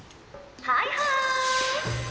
はいはい。